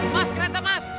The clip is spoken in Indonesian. mas kereta mas